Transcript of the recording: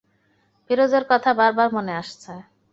ফিরোজের কথা বারবার মনে আসছে।